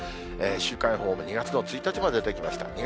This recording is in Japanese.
週間予報も、２月の１日まで出てきました。